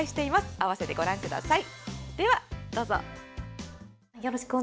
併せてご覧ください。